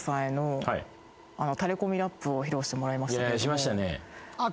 しましたね。